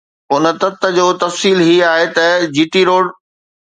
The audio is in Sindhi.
ان تت جو تفصيل هي آهي ته جي ٽي روڊ